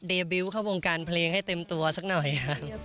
บิวต์เข้าวงการเพลงให้เต็มตัวสักหน่อยค่ะ